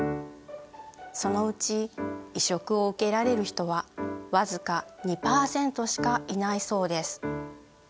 そのうち移植を受けられる人は僅か２％しかいないそうです。